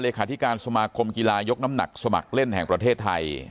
ที่การสมาคมกีฬายกน้ำหนักสมัครเล่นแห่งประเทศไทย